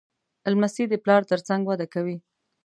لمسی د پلار تر څنګ وده کوي.